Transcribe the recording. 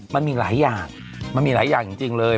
มันมีหลายอย่างมันมีหลายอย่างจริงเลย